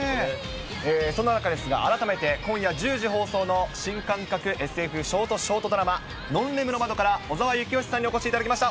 そんな中ですが、改めて今夜１０時放送の新感覚ＳＦショートショートドラマ、ノンレムの窓から、小澤征悦さんにお越しいただきました。